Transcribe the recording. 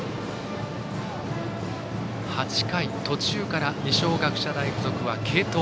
８回途中から二松学舎大付属は継投。